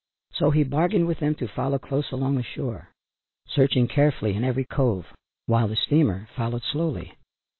So he bargained with them to follow close along the shore, searching carefully in every cove, while the steamer followed slowly.